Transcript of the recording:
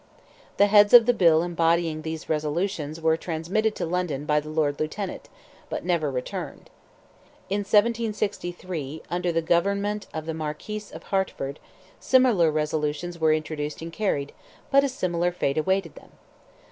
The heads of the bill embodying these resolutions were transmitted to London by the Lord Lieutenant, but never returned. In 1763, under the government of the Marquis of Hertford, similar resolutions were introduced and carried, but a similar fate awaited them.